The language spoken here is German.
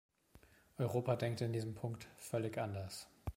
Europa denkt in diesem Punkt völlig anders.